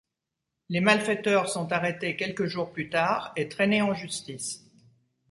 Les malfaiteurs sont arrêtés quelques jours plus tard et traînés en justice.